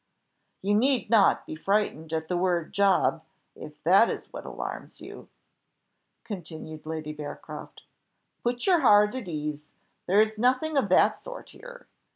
"You need not be frightened at the word job; if that is what alarms you," continued Lady Bearcroft, "put your heart at ease, there is nothing of that sort here.